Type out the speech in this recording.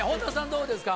どうですか？